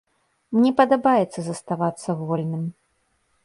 Мне падабаецца заставацца вольным.